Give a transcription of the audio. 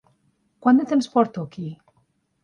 Quant de temps porto aquí?